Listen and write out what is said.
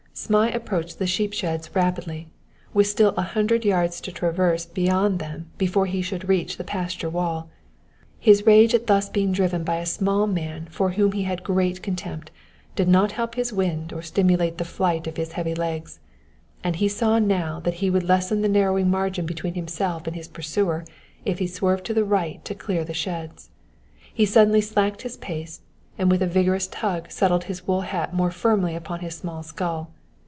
Zmai approached the sheep sheds rapidly, with still a hundred yards to traverse beyond them before he should reach the pasture wall. His rage at thus being driven by a small man for whom he had great contempt did not help his wind or stimulate the flight of his heavy legs, and he saw now that he would lessen the narrowing margin between himself and his pursuer if he swerved to the right to clear the sheds. He suddenly slackened his pace, and with a vicious tug settled his wool hat more firmly upon his small skull.